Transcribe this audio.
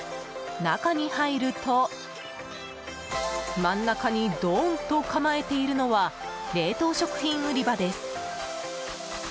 中に入ると真ん中にドーンと構えているのは冷凍食品売り場です。